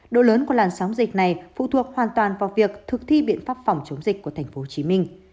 độ lớn của làn sóng dịch này phụ thuộc hoàn toàn vào việc thực thi biện pháp phòng chống dịch của tp hcm